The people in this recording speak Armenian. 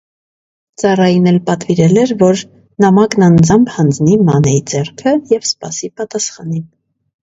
ծառային էլ պատվիրել էր, որ նամակն անձամբ հանձնի Մանեի ձեռքը և սպասի պատասխանին: